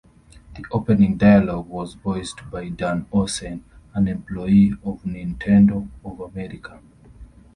The opening dialogue was voiced by Dan Owsen, an employee of Nintendo of America.